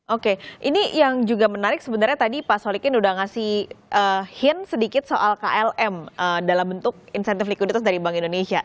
oke ini yang juga menarik sebenarnya tadi pak solikin udah ngasih hint sedikit soal klm dalam bentuk insentif likuiditas dari bank indonesia